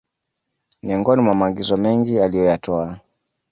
miongoni mwa maagizo mengi aliyoyatoa